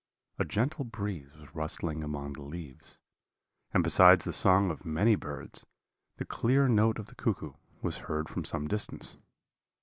A gentle breeze was rustling among the leaves; and besides the song of many birds, the clear note of the cuckoo was heard from some distance.